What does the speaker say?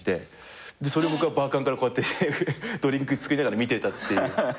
それ僕はバーカンからこうやってドリンク作りながら見てたっていう。